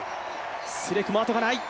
スレクも後がない。